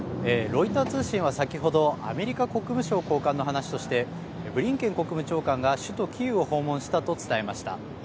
ロイター通信は先ほどアメリカ国務長官の話としてブリンケン国務長官が首都キーウを訪問したと伝えました。